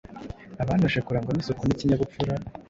abantoje kurangwa n’isuku n’ikinyabupfura,